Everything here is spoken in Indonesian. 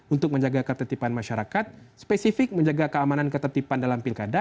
untuk menjaga ketertiban masyarakat spesifik menjaga keamanan ketertiban dalam pilkada